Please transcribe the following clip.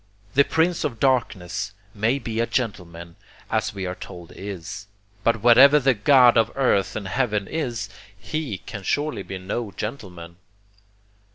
The prince of darkness may be a gentleman, as we are told he is, but whatever the God of earth and heaven is, he can surely be no gentleman.